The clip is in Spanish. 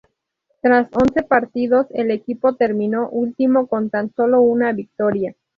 Tras once partidos, el equipo terminó último, con tan solo una victoria.